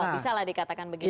bisa lah dikatakan begitu